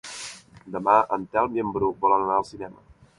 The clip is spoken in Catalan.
Demà en Telm i en Bru volen anar al cinema.